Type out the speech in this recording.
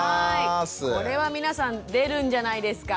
これは皆さん出るんじゃないですかたくさん。